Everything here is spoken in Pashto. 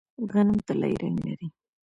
غنم طلایی رنګ لري.